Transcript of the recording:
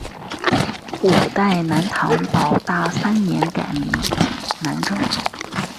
五代南唐保大三年改名南州。